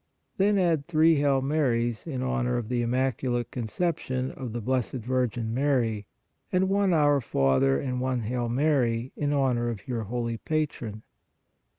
Then add three Hail Marys in honor of the Im maculate Conception of the Blessed Virgin Mary, and one Our Father and one Hail Mary in honor of your holy Patron.